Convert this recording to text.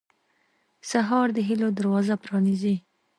سهار د هيلو دروازه پرانیزي.